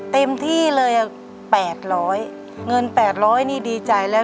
เต็มที่เลยอ่ะแปดร้อยเงินแปดร้อยนี่ดีใจแล้ว